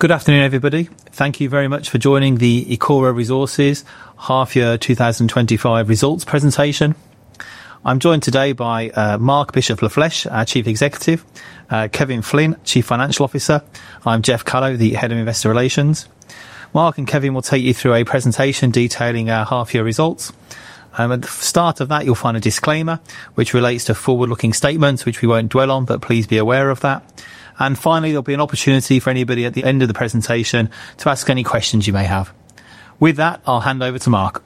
Good afternoon, everybody. Thank you very much for joining the Ecora Resources Half Year 2025 Results Presentation. I'm joined today by Marc Bishop Lafleche, Chief Executive, Kevin Flynn, Chief Financial Officer, and Geoff Callow, the Head of Investor Relations. Marc and Kevin will take you through a presentation detailing our half-year results. At the start of that, you'll find a disclaimer, which relates to forward-looking statements, which we won't dwell on, but please be aware of that. Finally, there'll be an opportunity for anybody at the end of the presentation to ask any questions you may have. With that, I'll hand over to Marc.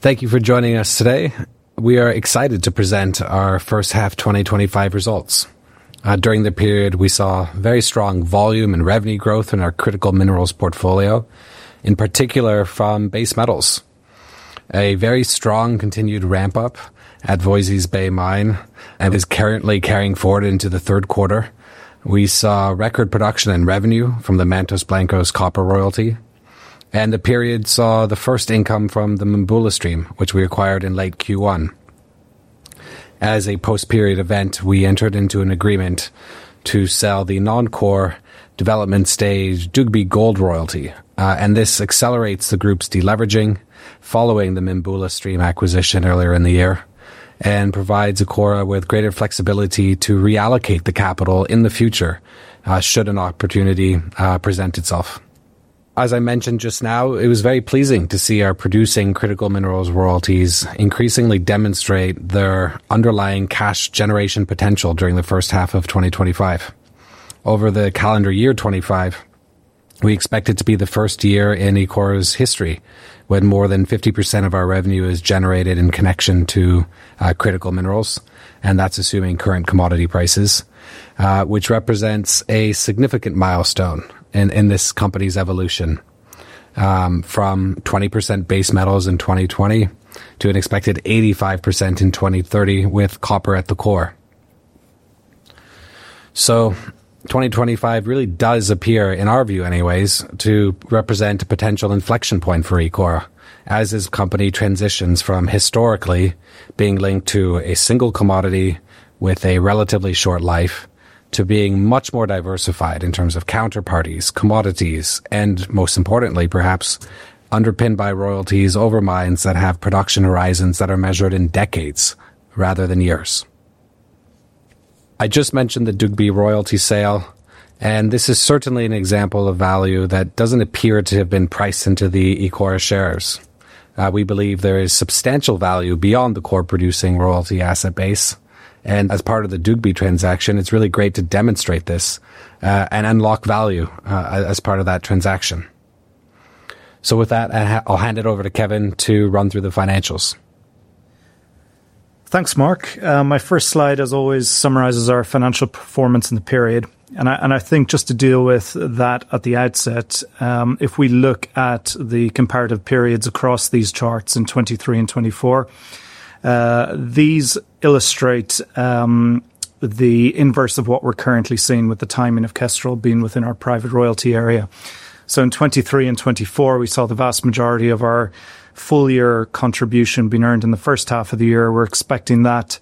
Thank you for joining us today. We are excited to present our first half 2025 results. During the period, we saw very strong volume and revenue growth in our critical minerals portfolio, in particular from base metals. A very strong continued ramp-up at Voisey’s Bay Mine, and it is currently carrying forward into the third quarter. We saw record production in revenue from the Mantos Blancos copper royalty, and the period saw the first income from the Mimbula copper stream, which we acquired in late Q1. As a post-period event, we entered into an agreement to sell the non-core development stage Dugbe Gold royalty, and this accelerates the group's deleveraging following the Mimbula copper stream acquisition earlier in the year and provides Ecora Resources PLC with greater flexibility to reallocate the capital in the future should an opportunity present itself. As I mentioned just now, it was very pleasing to see our producing critical minerals royalties increasingly demonstrate their underlying cash generation potential during the first half of 2025. Over the calendar year 2025, we expect it to be the first year in Ecora Resources PLC’s history when more than 50% of our revenue is generated in connection to critical minerals, and that's assuming current commodity prices, which represents a significant milestone in this company's evolution from 20% base metals in 2020 to an expected 85% in 2030 with copper at the core. 2025 really does appear, in our view anyways, to represent a potential inflection point for Ecora Resources PLC as this company transitions from historically being linked to a single commodity with a relatively short life to being much more diversified in terms of counterparties, commodities, and most importantly, perhaps underpinned by royalties over mines that have production horizons that are measured in decades rather than years. I just mentioned the Dugbe Gold royalty sale, and this is certainly an example of value that doesn't appear to have been priced into the Ecora Resources PLC shares. We believe there is substantial value beyond the core producing royalty asset base, and as part of the Dugbe Gold royalty transaction, it's really great to demonstrate this and unlock value as part of that transaction. With that, I'll hand it over to Kevin to run through the financials. Thanks, Marc. My first slide, as always, summarizes our financial performance in the period, and I think just to deal with that at the outset, if we look at the comparative periods across these charts in 2023 and 2024, these illustrate the inverse of what we're currently seeing with the timing of Kestrel being within our private royalty area. In 2023 and 2024, we saw the vast majority of our full-year contribution being earned in the first half of the year. We're expecting that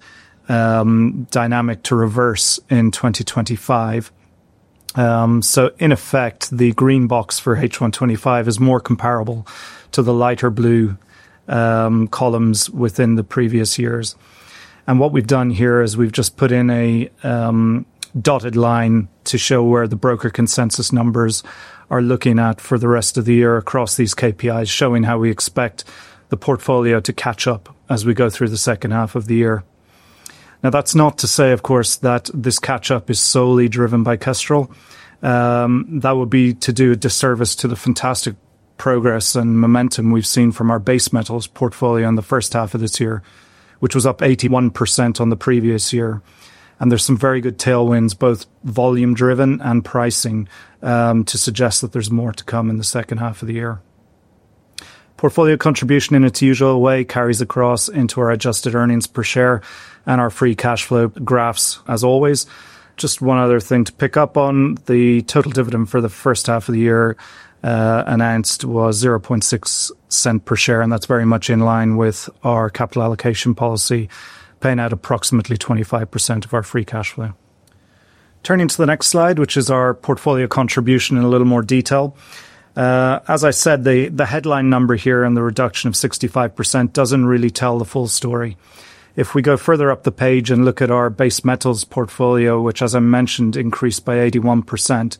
dynamic to reverse in 2025. In effect, the green box for H1 2025 is more comparable to the lighter blue columns within the previous years. What we've done here is we've just put in a dotted line to show where the broker consensus numbers are looking at for the rest of the year across these KPIs, showing how we expect the portfolio to catch up as we go through the second half of the year. That's not to say, of course, that this catch-up is solely driven by Kestrel. That would be to do a disservice to the fantastic progress and momentum we've seen from our base metals portfolio in the first half of this year, which was up 81% on the previous year. There are some very good tailwinds, both volume-driven and pricing, to suggest that there's more to come in the second half of the year. Portfolio contribution, in its usual way, carries across into our adjusted earnings per share and our free cash flow graphs, as always. Just one other thing to pick up on: the total dividend for the first half of the year announced was $0.006 per share, and that's very much in line with our capital allocation policy, paying out approximately 25% of our free cash flow. Turning to the next slide, which is our portfolio contribution in a little more detail, as I said, the headline number here and the reduction of 65% doesn't really tell the full story. If we go further up the page and look at our base metals portfolio, which, as I mentioned, increased by 81%,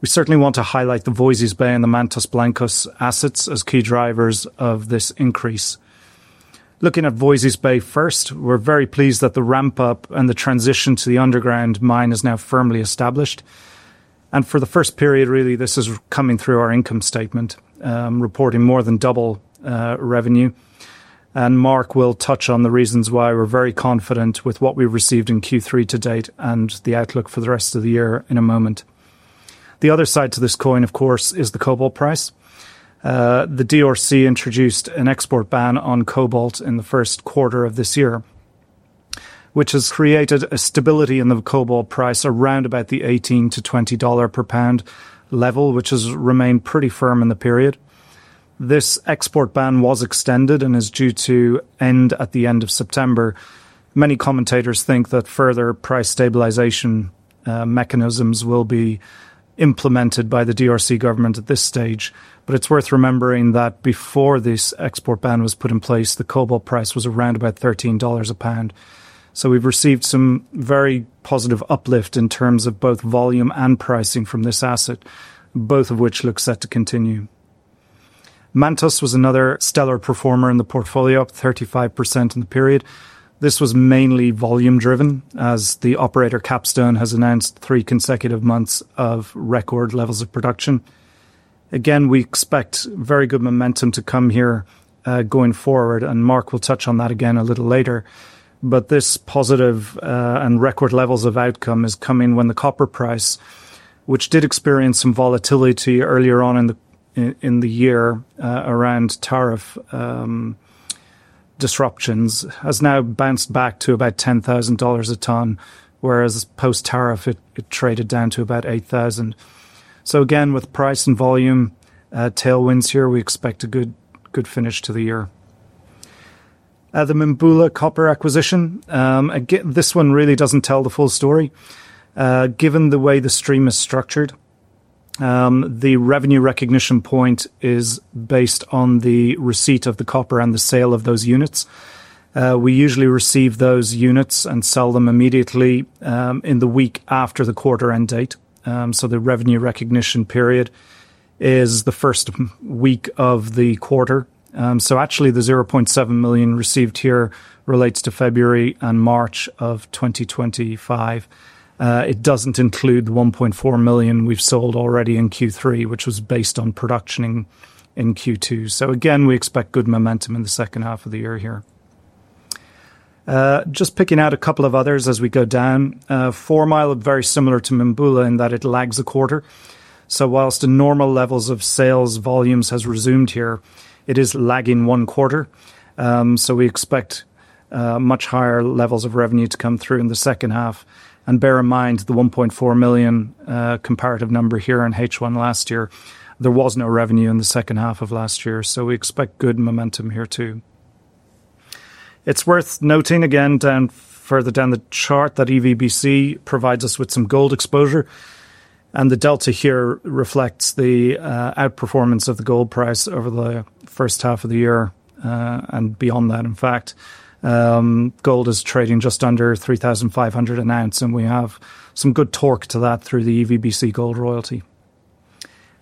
we certainly want to highlight the Voisey’s Bay and the Mantos Blancos assets as key drivers of this increase. Looking at Voisey’s Bay first, we're very pleased that the ramp-up and the transition to the underground mine is now firmly established. For the first period, really, this is coming through our income statement, reporting more than double revenue. Marc will touch on the reasons why we're very confident with what we've received in Q3 to date and the outlook for the rest of the year in a moment. The other side to this coin, of course, is the cobalt price. The DRC introduced an export ban on cobalt in the first quarter of this year, which has created a stability in the cobalt price around about the $18 to $20 per pound level, which has remained pretty firm in the period. This export ban was extended and is due to end at the end of September. Many commentators think that further price stabilization mechanisms will be implemented by the DRC government at this stage, but it's worth remembering that before this export ban was put in place, the cobalt price was around about $13 a pound. We've received some very positive uplift in terms of both volume and pricing from this asset, both of which look set to continue. Mantos was another stellar performer in the portfolio, up 35% in the period. This was mainly volume-driven, as the operator, Capstone, has announced three consecutive months of record levels of production. We expect very good momentum to come here going forward, and Marc Bishop Lafleche will touch on that again a little later. This positive and record levels of outcome is coming when the copper price, which did experience some volatility earlier on in the year around tariff disruptions, has now bounced back to about $10,000 a ton, whereas post-tariff, it traded down to about $8,000. With price and volume tailwinds here, we expect a good finish to the year. The Mimbula copper acquisition, this one really doesn't tell the full story. Given the way the stream is structured, the revenue recognition point is based on the receipt of the copper and the sale of those units. We usually receive those units and sell them immediately in the week after the quarter end date. The revenue recognition period is the first week of the quarter. Actually, the $0.7 million received here relates to February and March of 2025. It doesn't include the $1.4 million we've sold already in Q3, which was based on production in Q2. We expect good momentum in the second half of the year here. Just picking out a couple of others as we go down, Formila, very similar to Mimbula in that it lags a quarter. Whilst the normal levels of sales volumes have resumed here, it is lagging one quarter. We expect much higher levels of revenue to come through in the second half. Bear in mind, the $1.4 million comparative number here in H1 last year, there was no revenue in the second half of last year. We expect good momentum here too. It's worth noting again, further down the chart, that EVBC provides us with some gold exposure, and the delta here reflects the outperformance of the gold price over the first half of the year and beyond that. In fact, gold is trading just under $3,500 an ounce, and we have some good torque to that through the EVBC gold royalty.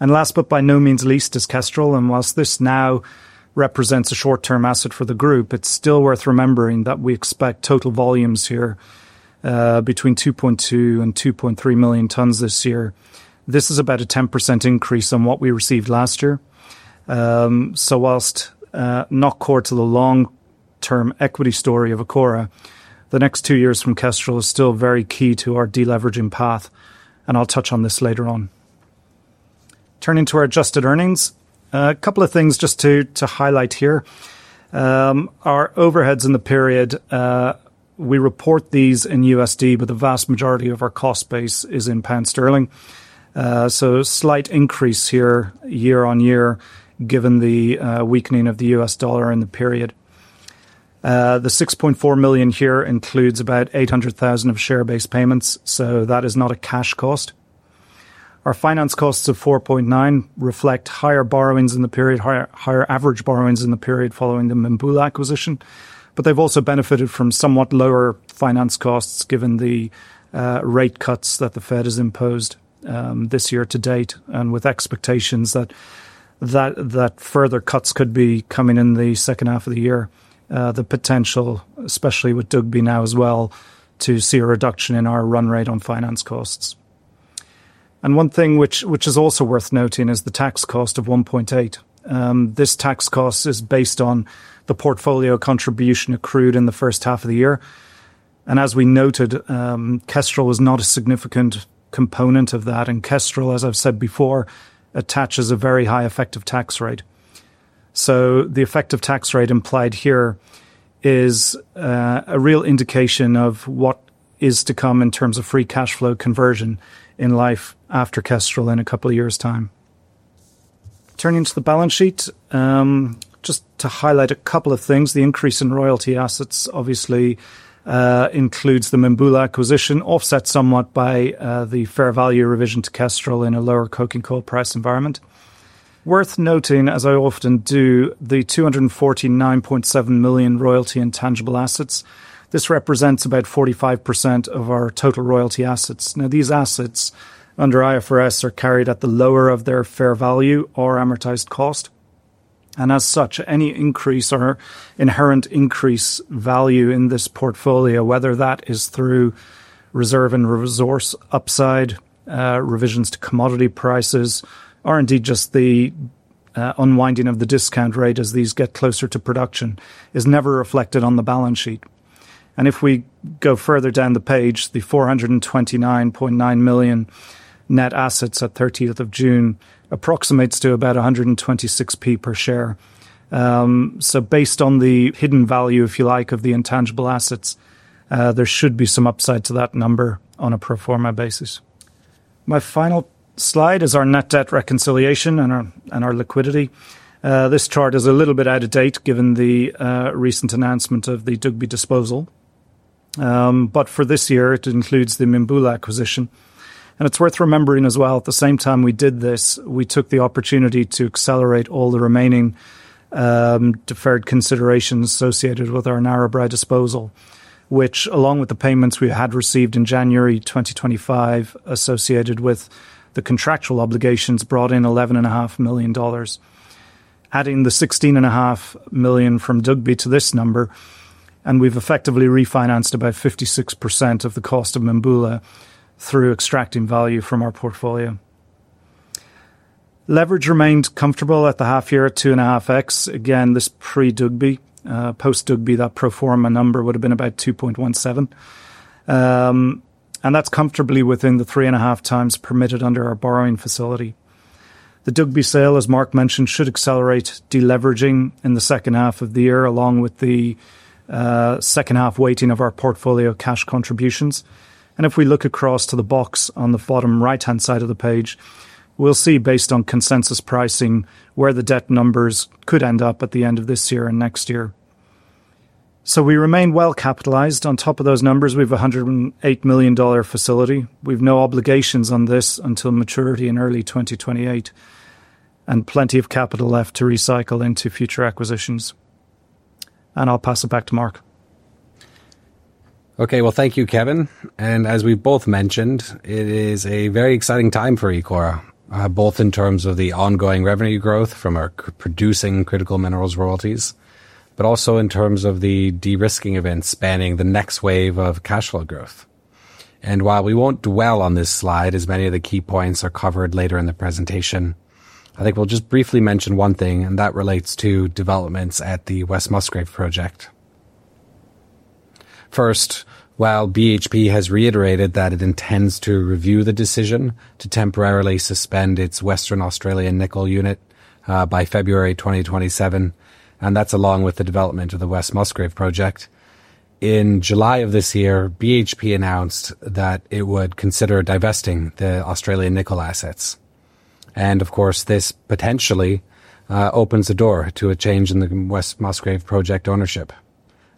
Last but by no means least is Kestrel, and whilst this now represents a short-term asset for the group, it's still worth remembering that we expect total volumes here between 2.2 and 2.3 million tons this year. This is about a 10% increase on what we received last year. Whilst not core to the long-term equity story of Ecora Resources PLC, the next two years from Kestrel are still very key to our deleveraging path, and I'll touch on this later on. Turning to our adjusted earnings, a couple of things just to highlight here. Our overheads in the period, we report these in USD, but the vast majority of our cost base is in pound sterling. A slight increase here year on year given the weakening of the U.S. dollar in the period. The $6.4 million here includes about $800,000 of share-based payments, so that is not a cash cost. Our finance costs of $4.9 million reflect higher borrowings in the period, higher average borrowings in the period following the Mimbula copper stream acquisition, but they've also benefited from somewhat lower finance costs given the rate cuts that the Fed has imposed this year to date. With expectations that further cuts could be coming in the second half of the year, the potential, especially with Dugbe Gold royalty now as well, to see a reduction in our run rate on finance costs. One thing which is also worth noting is the tax cost of $1.8 million. This tax cost is based on the portfolio contribution accrued in the first half of the year. As we noted, Kestrel was not a significant component of that, and Kestrel, as I've said before, attaches a very high effective tax rate. The effective tax rate implied here is a real indication of what is to come in terms of free cash flow conversion in life after Kestrel in a couple of years' time. Turning to the balance sheet, just to highlight a couple of things, the increase in royalty assets obviously includes the Mimbula copper stream acquisition, offset somewhat by the fair value revision to Kestrel in a lower coking coal price environment. Worth noting, as I often do, the $249.7 million royalty intangible assets. This represents about 45% of our total royalty assets. Now, these assets under IFRS are carried at the lower of their fair value or amortized cost, and as such, any increase or inherent increase value in this portfolio, whether that is through reserve and resource upside, revisions to commodity prices, or indeed just the unwinding of the discount rate as these get closer to production, is never reflected on the balance sheet. If we go further down the page, the $429.9 million net assets at 30th of June approximates to about $1.26 per share. Based on the hidden value, if you like, of the intangible assets, there should be some upside to that number on a pro forma basis. My final slide is our net debt reconciliation and our liquidity. This chart is a little bit out of date given the recent announcement of the Dugbe Gold royalty disposal, but for this year, it includes the Mimbula copper stream acquisition. It's worth remembering as well, at the same time we did this, we took the opportunity to accelerate all the remaining deferred considerations associated with our Narrabri disposal, which along with the payments we had received in January 2025 associated with the contractual obligations brought in $11.5 million. Adding the $16.5 million from Dugbe to this number, we've effectively refinanced about 56% of the cost of Mimbula through extracting value from our portfolio. Leverage remained comfortable at the half-year at 2.5x. This is pre-Dugbe; post-Dugbe, that pro forma number would have been about 2.17, and that's comfortably within the 3.5x permitted under our borrowing facility. The Dugbe sale, as Marc Bishop Lafleche mentioned, should accelerate deleveraging in the second half of the year along with the second half weighting of our portfolio cash contributions. If we look across to the box on the bottom right-hand side of the page, we'll see based on consensus pricing where the debt numbers could end up at the end of this year and next year. We remain well capitalized. On top of those numbers, we have a $108 million facility. We have no obligations on this until maturity in early 2028, and plenty of capital left to recycle into future acquisitions. I'll pass it back to Marc. Thank you, Kevin. As we both mentioned, it is a very exciting time for Ecora Resources PLC, both in terms of the ongoing revenue growth from our producing critical minerals royalties, but also in terms of the de-risking events spanning the next wave of cash flow growth. While we won't dwell on this slide, as many of the key points are covered later in the presentation, I think we'll just briefly mention one thing, and that relates to developments at the West Musgrave project. First, while BHP has reiterated that it intends to review the decision to temporarily suspend its Western Australian Nickel unit by February 2027, and that's along with the development of the West Musgrave project, in July of this year, BHP announced that it would consider divesting the Australian Nickel assets. This potentially opens a door to a change in the West Musgrave project ownership.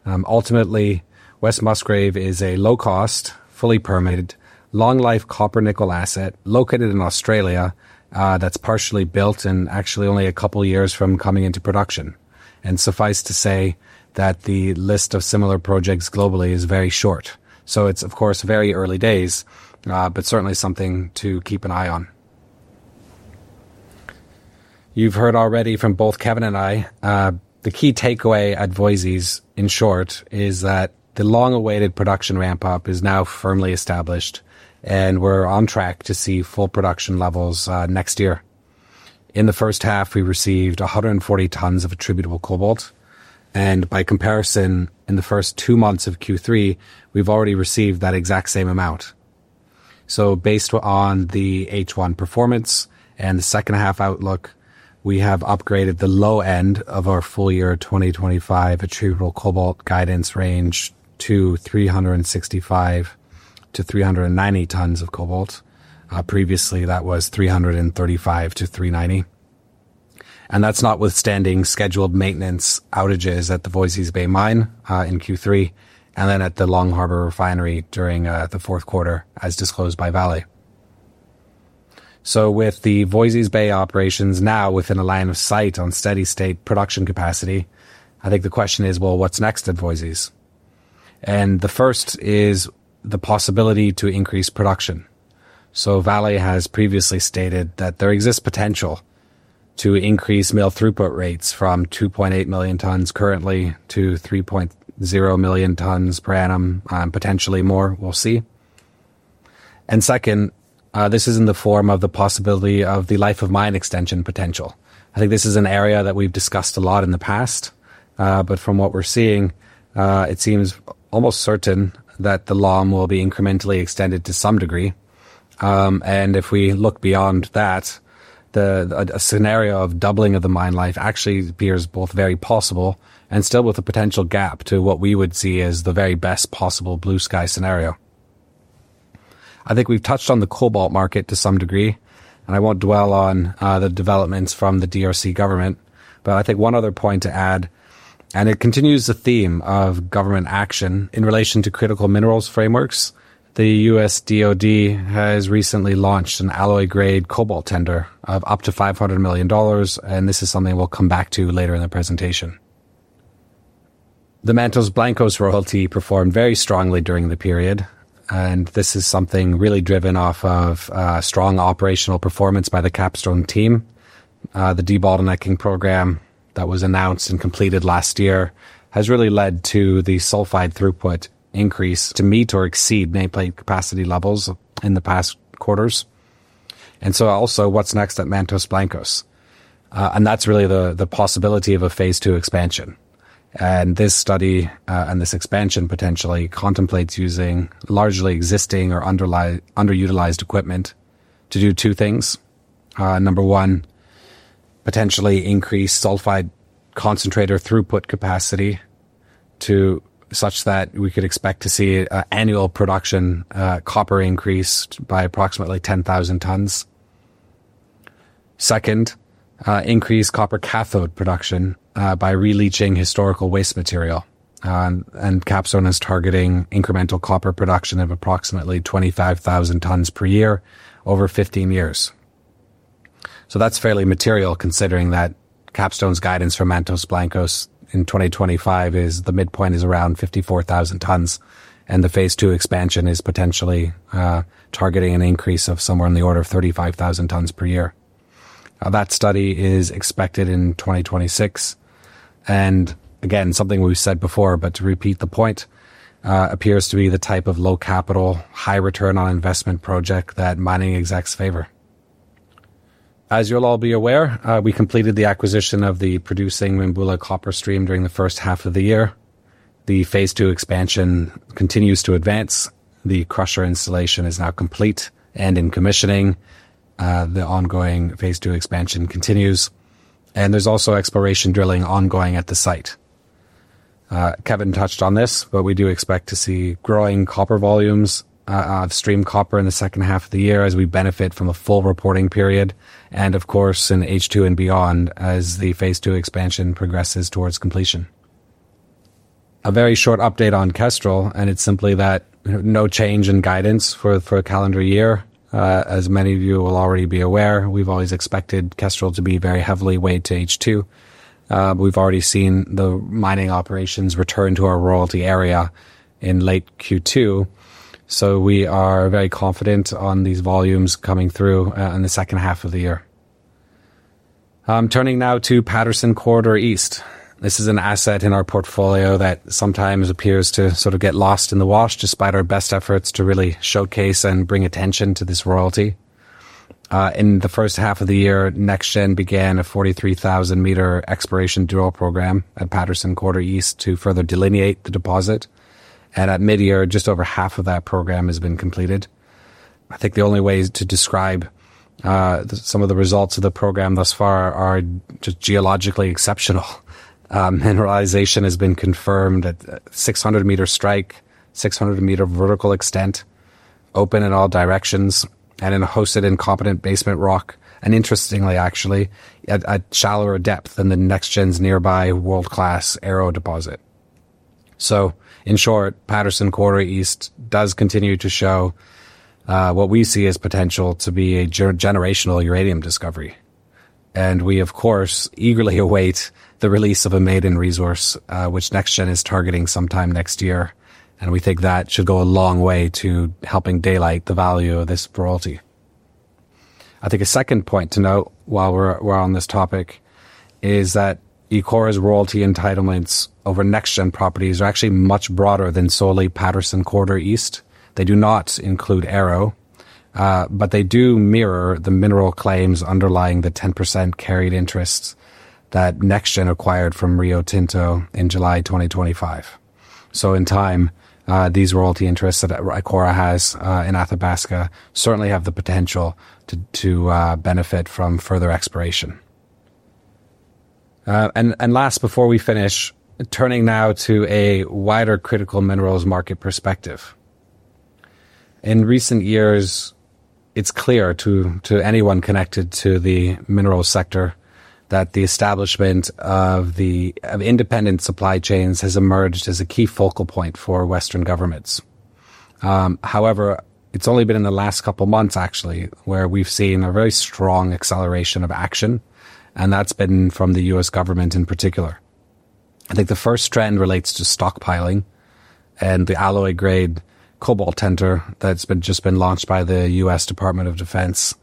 Ultimately, West Musgrave is a low-cost, fully permitted, long-life copper nickel asset located in Australia that's partially built and actually only a couple of years from coming into production. Suffice to say that the list of similar projects globally is very short. It is, of course, very early days, but certainly something to keep an eye on. You've heard already from both Kevin and me, the key takeaway at Voisey’s Bay Mine in short is that the long-awaited production ramp-up is now firmly established, and we're on track to see full production levels next year. In the first half, we received 140 tons of attributable cobalt, and by comparison, in the first two months of Q3, we've already received that exact same amount. Based on the H1 performance and the second half outlook, we have upgraded the low end of our full-year 2025 attributable cobalt guidance range to 365 to 390 tons of cobalt. Previously, that was 335 to 390. That is notwithstanding scheduled maintenance outages at the Voisey’s Bay Mine in Q3, and then at the Long Harbor Refinery during the fourth quarter, as disclosed by Vale. With the Voisey’s Bay operations now within a line of sight on steady-state production capacity, I think the question is, what's next at Voisey’s Bay Mine? The first is the possibility to increase production. Vale has previously stated that there exists potential to increase mill throughput rates from 2.8 million tons currently to 3.0 million tons per annum, potentially more, we'll see. The second is in the form of the possibility of the life of mine extension potential. I think this is an area that we've discussed a lot in the past, but from what we're seeing, it seems almost certain that the LOM will be incrementally extended to some degree. If we look beyond that, a scenario of doubling of the mine life actually appears both very possible and still with a potential gap to what we would see as the very best possible blue sky scenario. I think we've touched on the cobalt market to some degree, and I won't dwell on the developments from the DRC government, but I think one other point to add, and it continues the theme of government action in relation to critical minerals frameworks, the U.S. Department of Defense has recently launched an alloy-grade cobalt tender of up to $500 million, and this is something we'll come back to later in the presentation. The Mantos Blancos copper royalty performed very strongly during the period, and this is something really driven off of strong operational performance by the Capstone team. The debottlenecking program that was announced and completed last year has really led to the sulfide throughput increase to meet or exceed nameplate capacity levels in the past quarters. Also, what's next at Mantos Blancos? That's really the possibility of a phase two expansion. This study and this expansion potentially contemplate using largely existing or underutilized equipment to do two things. Number one, potentially increase sulfide concentrator throughput capacity to such that we could expect to see annual production copper increase by approximately 10,000 tons. Second, increase copper cathode production by re-leaching historical waste material. Capstone is targeting incremental copper production of approximately 25,000 tons per year over 15 years. That's fairly material considering that Capstone's guidance for Mantos Blancos in 2025 is the midpoint is around 54,000 tons, and the phase two expansion is potentially targeting an increase of somewhere in the order of 35,000 tons per year. That study is expected in 2026, and again, something we've said before, but to repeat the point, appears to be the type of low capital, high return on investment project that mining execs favor. As you'll all be aware, we completed the acquisition of the producing Mimbula copper stream during the first half of the year. The phase two expansion continues to advance. The crusher installation is now complete, and in commissioning, the ongoing phase two expansion continues. There is also exploration drilling ongoing at the site. Kevin touched on this, but we do expect to see growing copper volumes of stream copper in the second half of the year as we benefit from a full reporting period, and of course, in H2 and beyond as the phase two expansion progresses towards completion. A very short update on Kestrel, it's simply that no change in guidance for a calendar year. As many of you will already be aware, we've always expected Kestrel to be very heavily weighted to H2. We've already seen the mining operations return to our royalty area in late Q2, so we are very confident on these volumes coming through in the second half of the year. Turning now to Patterson Quarter East. This is an asset in our portfolio that sometimes appears to sort of get lost in the wash despite our best efforts to really showcase and bring attention to this royalty. In the first half of the year, NextGen began a 43,000-meter exploration drill program at Patterson Quarter East to further delineate the deposit, and at mid-year, just over half of that program has been completed. I think the only way to describe some of the results of the program thus far are just geologically exceptional. Mineralization has been confirmed at 600-meter strike, 600-meter vertical extent, open in all directions, and in a hosted incompetent basement rock, and interestingly, actually, at shallower depth than NextGen's nearby world-class Arrow deposit. In short, Patterson Quarter East does continue to show what we see as potential to be a generational uranium discovery. We, of course, eagerly await the release of a maiden resource, which NextGen is targeting sometime next year. We think that should go a long way to helping daylight the value of this royalty. A second point to note while we're on this topic is that Ecora's royalty entitlements over NextGen properties are actually much broader than solely Patterson Quarter East. They do not include Arrow, but they do mirror the mineral claims underlying the 10% carried interests that NextGen acquired from Rio Tinto in July 2025. In time, these royalty interests that Ecora has in Athabasca certainly have the potential to benefit from further exploration. Last, before we finish, turning now to a wider critical minerals market perspective. In recent years, it's clear to anyone connected to the mineral sector that the establishment of independent supply chains has emerged as a key focal point for Western governments. However, it's only been in the last couple of months, actually, where we've seen a very strong acceleration of action, and that's been from the U.S. government in particular. I think the first trend relates to stockpiling, and the alloy-grade cobalt tender that's just been launched by the U.S. Department of Defense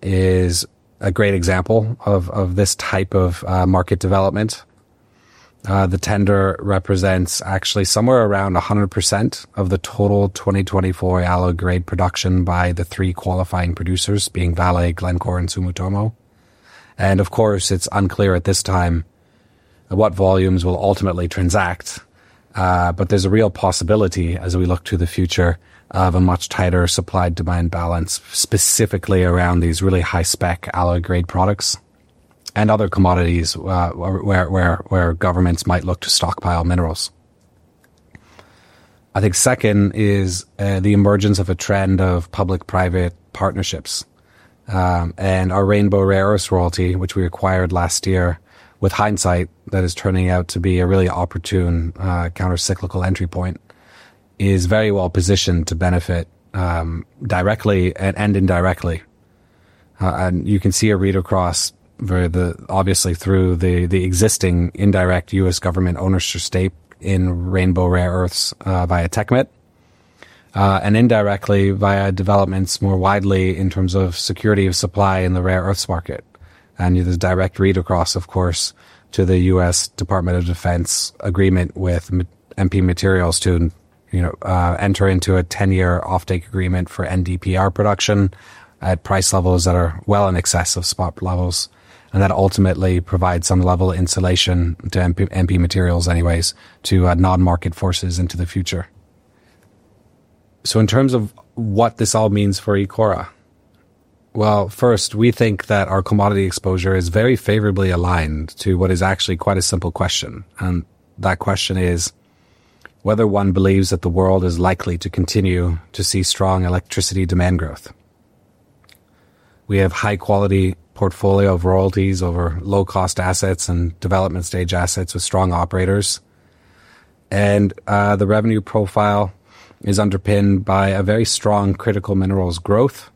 is a great example of this type of market development. The tender represents actually somewhere around 100% of the total 2024 alloy-grade production by the three qualifying producers, being Vale, Glencore, and Sumitomo. Of course, it's unclear at this time what volumes will ultimately transact, but there's a real possibility as we look to the future of a much tighter supply-demand balance specifically around these really high-spec alloy-grade products and other commodities where governments might look to stockpile minerals. I think second is the emergence of a trend of public-private partnerships, and our Rainbow Rare Earths royalty, which we acquired last year, with hindsight that is turning out to be a really opportune countercyclical entry point, is very well positioned to benefit directly and indirectly. You can see a read across obviously through the existing indirect U.S. government ownership stake in Rainbow Rare Earths via TechMet, and indirectly via developments more widely in terms of security of supply in the rare earths market. There's a direct read across, of course, to the U.S. Department of Defense agreement with MP Materials to enter into a 10-year offtake agreement for NdPr production at price levels that are well in excess of spot levels, and that ultimately provides some level of insulation to MP Materials anyways to non-market forces into the future. In terms of what this all means for Ecora Resources PLC, first, we think that our commodity exposure is very favorably aligned to what is actually quite a simple question, and that question is whether one believes that the world is likely to continue to see strong electricity demand growth. We have a high-quality portfolio of royalties over low-cost assets and development stage assets with strong operators, and the revenue profile is underpinned by a very strong critical minerals growth.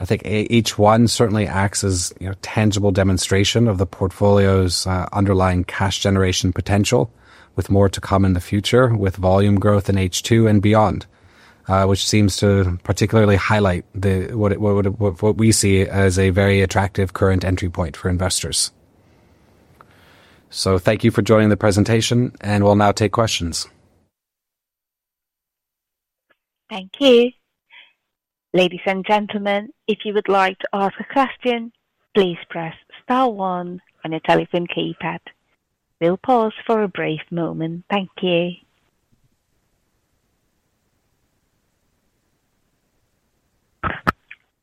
I think H1 certainly acts as a tangible demonstration of the portfolio's underlying cash generation potential, with more to come in the future with volume growth in H2 and beyond, which seems to particularly highlight what we see as a very attractive current entry point for investors. Thank you for joining the presentation, and we'll now take questions. Thank you. Ladies and gentlemen, if you would like to ask a question, please press star one on your telephone keypad. We'll pause for a brief moment. Thank you.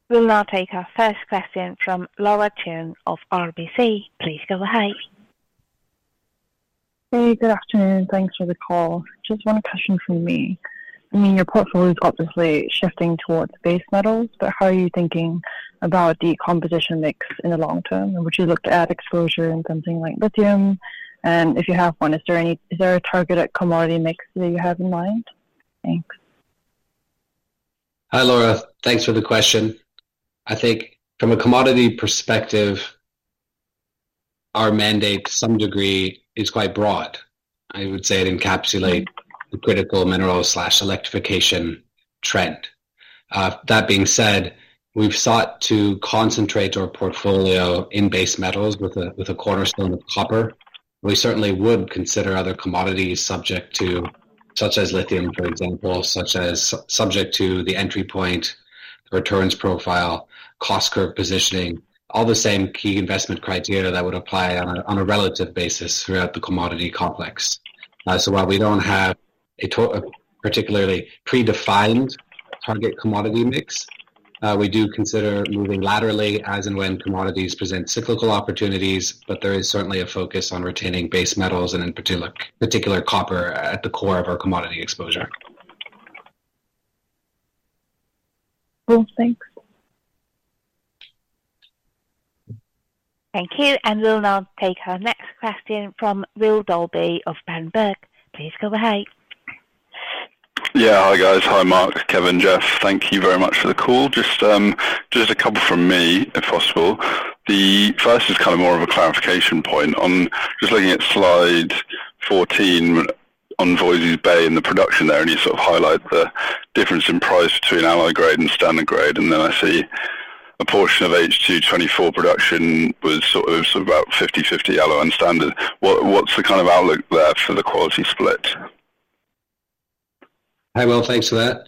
We'll now take our first question from Laura Chan of RBC Capital Markets. Please go ahead. Hey, good afternoon. Thanks for the call. Just one question from me. I mean, your portfolio's got this way shifting towards base metals, but how are you thinking about the composition mix in the long term? Would you look to add exposure in something like lithium? If you have one, is there a targeted commodity mix that you have in mind? Thanks. Hi Laura, thanks for the question. I think from a commodity perspective, our mandate to some degree is quite broad. I would say it encapsulates the critical mineral/electrification trend. That being said, we've sought to concentrate our portfolio in base metals with a cornerstone of copper. We certainly would consider other commodities, such as lithium, for example, subject to the entry point, returns profile, cost curve positioning, all the same key investment criteria that would apply on a relative basis throughout the commodity complex. While we don't have a particularly predefined target commodity mix, we do consider moving laterally as and when commodities present cyclical opportunities, but there is certainly a focus on retaining base metals and in particular copper at the core of our commodity exposure. Cool, thanks. Thank you. We'll now take our next question from Will Dalby of Berenberg. Please go ahead. Yeah, hi guys. Hi Marc, Kevin, Geoff. Thank you very much for the call. Just a couple from me if possible. The first is kind of more of a clarification point on, just looking at slide 14 on Voisey’s Bay and the production there, and you sort of highlight the difference in price between alloy grade and standard grade. I see a portion of H2 2024 production was sort of about 50-50 alloy and standard. What's the kind of outlook there for the quality split? Hi, Will, thanks for that.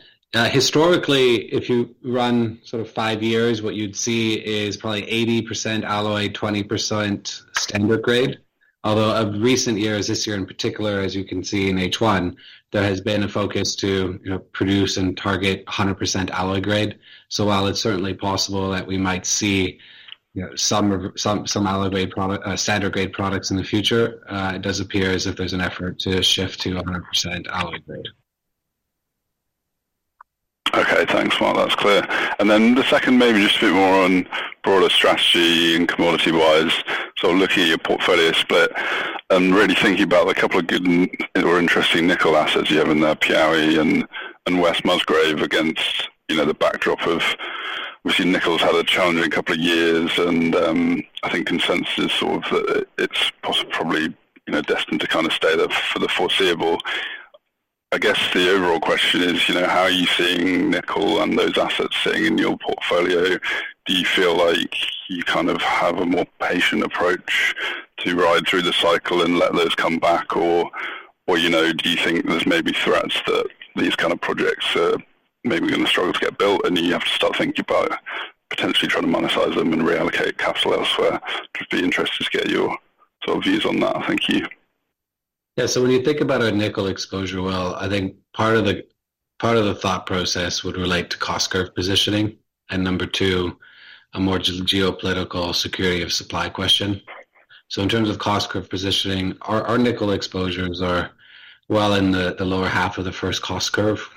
Historically, if you run sort of five years, what you'd see is probably 80% alloy, 20% standard grade. Although in recent years, this year in particular, as you can see in H1, there has been a focus to produce and target 100% alloy grade. While it's certainly possible that we might see some alloy grade products, standard grade products in the future, it does appear as if there's an effort to shift to 100% alloy grade. Okay, thanks, Marc. That was clear. The second, maybe just a bit more on broader strategy and commodity-wise. Looking at your portfolio split and really thinking about the couple of good or interesting nickel assets you have in there, Piauí and West Musgrave, against the backdrop of, we've seen nickel has had a challenging couple of years, and I think consensus is sort of that it's probably destined to kind of stay there for the foreseeable. I guess the overall question is, you know, how are you seeing nickel and those assets sitting in your portfolio? Do you feel like you kind of have a more patient approach to ride through the cycle and let those come back, or do you think there's maybe threats that these kind of projects are maybe going to struggle to get built and you have to start thinking about potentially trying to monetize them and reallocate capital elsewhere? It would be interesting to get your views on that. Thank you. Yeah, so when you think about a nickel exposure, Will, I think part of the thought process would relate to cost curve positioning and, number two, a more geopolitical security of supply question. In terms of cost curve positioning, our nickel exposures are well in the lower half of the cost curve.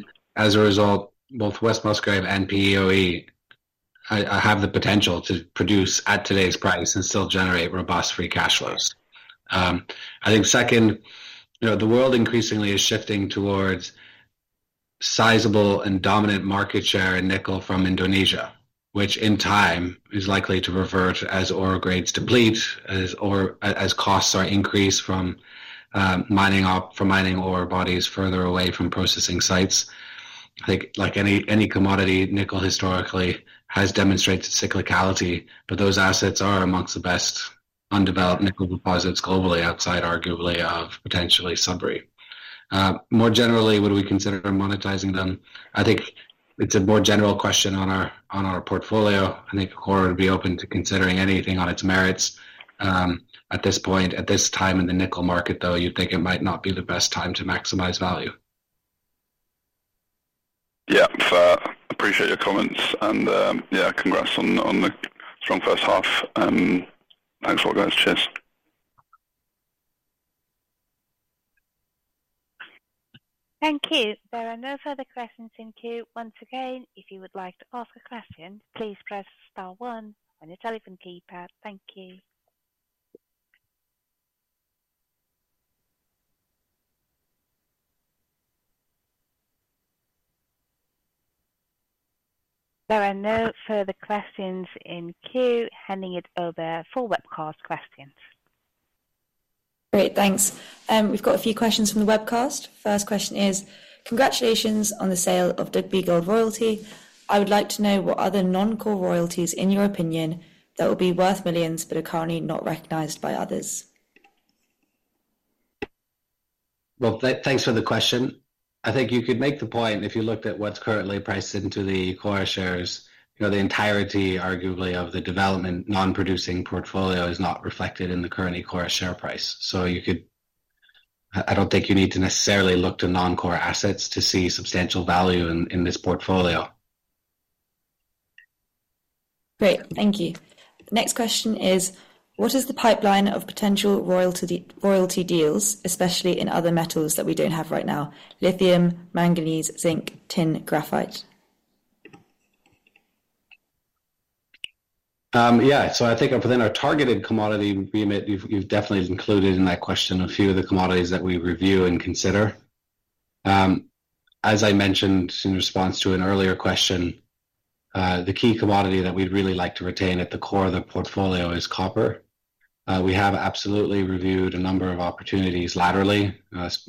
As a result, both West Musgrave and Piauí have the potential to produce at today's price and still generate robust free cash flows. I think, second, the world increasingly is shifting towards sizable and dominant market share in nickel from Indonesia, which in time is likely to reemerge as ore grades deplete as costs are increased from mining ore bodies further away from processing sites. Like any commodity, nickel historically has demonstrated cyclicality, but those assets are amongst the best undeveloped nickel deposits globally outside, arguably, of potentially subry. More generally, would we consider monetizing them. I think it's a more general question on our portfolio. I think Ecora would be open to considering anything on its merits. At this point, at this time in the nickel market, though, you'd think it might not be the best time to maximize value. Yeah, appreciate your comments and yeah, congrats on the strong first half and thanks to all guys. Cheers. Thank you. There are no further questions in queue. Once again, if you would like to ask a question, please press star one on your telephone keypad. Thank you. There are no further questions in queue. Handing it over for webcast questions. Great, thanks. We've got a few questions from the webcast. First question is, congratulations on the sale of Dugbe Gold royalty. I would like to know what other non-core royalties in your opinion that will be worth millions but are currently not recognized by others. Thank you for the question. I think you could make the point if you looked at what's currently priced into the Ecora Resources PLC shares, the entirety arguably of the development non-producing portfolio is not reflected in the current Ecora Resources PLC share price. You could, I don't think you need to necessarily look to non-core assets to see substantial value in this portfolio. Great, thank you. Next question is, what is the pipeline of potential royalty deals, especially in other metals that we don't have right now? Lithium, manganese, zinc, tin, graphite? Yeah, I think within our targeted commodity bit, you've definitely included in that question a few of the commodities that we review and consider. As I mentioned in response to an earlier question, the key commodity that we'd really like to retain at the core of the portfolio is copper. We have absolutely reviewed a number of opportunities laterally,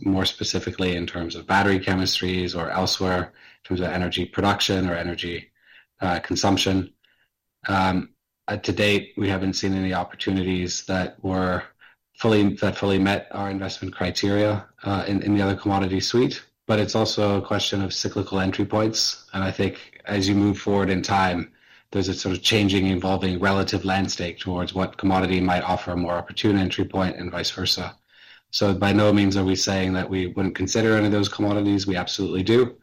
more specifically in terms of battery chemistries or elsewhere in terms of energy production or energy consumption. To date, we haven't seen any opportunities that fully met our investment criteria in the other commodity suite, but it's also a question of cyclical entry points. I think as you move forward in time, there's a sort of changing, evolving relative landscape towards what commodity might offer a more opportune entry point and vice versa. By no means are we saying that we wouldn't consider any of those commodities. We absolutely do.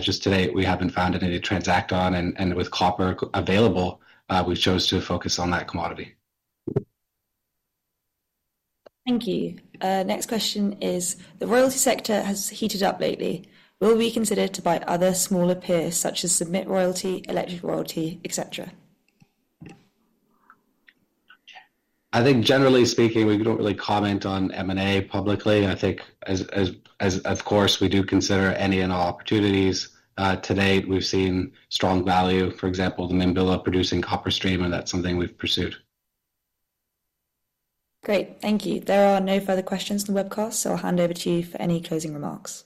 Just today, we haven't found any to transact on, and with copper available, we chose to focus on that commodity. Thank you. Next question is, the royalty sector has heated up lately. Will we consider to buy other smaller peers such as submit royalty, alleged r oyalty, et cetera? I think generally speaking, we don't really comment on M&A publicly. I think, of course, we do consider any and all opportunities. To date, we've seen strong value, for example, the Mimbula producing copper stream, and that's something we've pursued. Great, thank you. There are no further questions in the webcast, so I'll hand over to you for any closing remarks.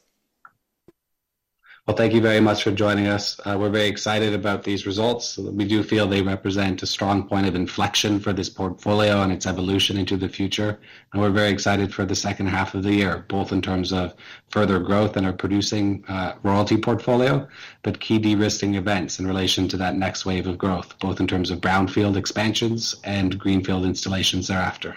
Thank you very much for joining us. We're very excited about these results. We do feel they represent a strong point of inflection for this portfolio and its evolution into the future. We're very excited for the second half of the year, both in terms of further growth in our producing royalty portfolio, but key de-risking events in relation to that next wave of growth, both in terms of brownfield expansions and greenfield installations thereafter.